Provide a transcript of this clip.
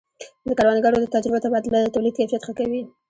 د کروندګرو د تجربو تبادله د تولید کیفیت ښه کوي.